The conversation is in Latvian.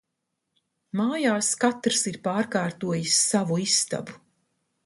Mājās katrs ir pārkārtojis savu istabu.